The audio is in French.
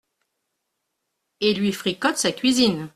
Et lui fricote sa cuisine !